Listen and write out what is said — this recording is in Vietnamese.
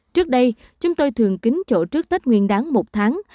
trước đây chúng tôi thường kính chỗ trước tết nguyên đáng một tháng